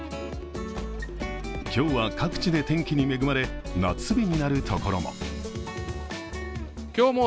今日は各地で天気に恵まれ夏日になるところも。